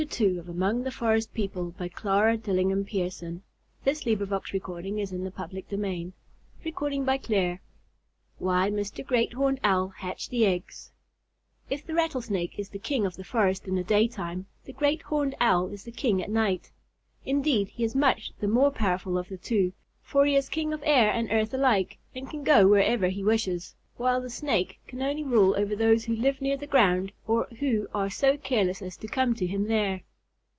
It is in the forest as in the world outside. We can know that many things are, but we never know why they are. WHY MR GREAT HORNED OWL HATCHED THE EGGS If the Rattlesnake is the king of the forest in the daytime, the Great Horned Owl is the king at night. Indeed, he is much the more powerful of the two, for he is king of air and earth alike and can go wherever he wishes, while the snake can only rule over those who live near the ground or who are so careless as to come to him there.